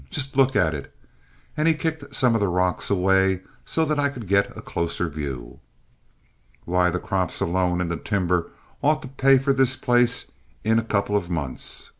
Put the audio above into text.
Just look at it." And he kicked some of the rocks away so that I could get a closer view. "Why, the crops alone and the timber ought to pay for this place in a couple of months.